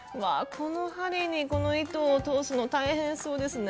この針にこの糸を通すの大変そうですね。